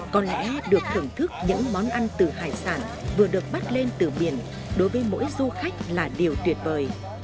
có lẽ được thưởng thức những món ăn từ hải sản vừa được bắt lên từ biển đối với mỗi du khách là điều tuyệt vời